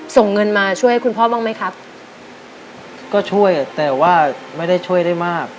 ส่งเงินมาช่วยคุณพ่อบ้างไหมครับก็ช่วยแต่ว่าไม่ได้ช่วยได้มาก